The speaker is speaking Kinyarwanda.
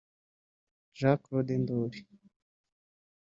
Jean-Claude Ndoli